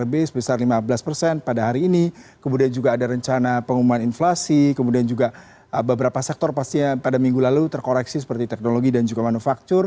pak alfred kita coba melihat bagaimana pergerakan pada maog sekolah keseluruhan tahun ini kemudian ada rencana pengumuman inflasi kemudian juga sektor dulu terkoreksi seperti teknologi dan manufaktur